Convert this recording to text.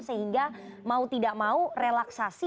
sehingga mau tidak mau relaksasi